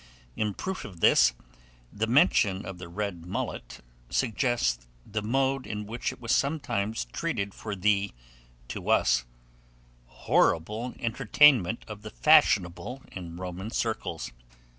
In proof of this, the mention of the red mullet suggests the mode in which it was sometimes treated for the, to us, horrible entertainment of the fashionable in Roman circles.